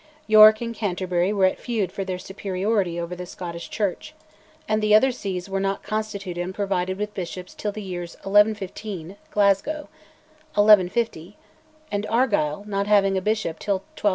York and Canterbury were at feud for their superiority over the Scottish Church; and the other sees were not constituted and provided with bishops till the years 1115 (Glasgow), 1150, Argyll not having a bishop till 1200.